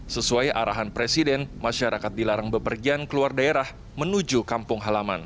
sesuai arahan presiden masyarakat dilakukan